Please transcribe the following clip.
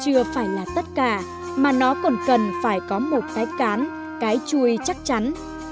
chưa phải là tất cả mà nó còn cần phải có một cái cán cái chui chắc chắn